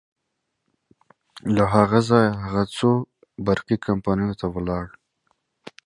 From there, he went on to several electric power companies.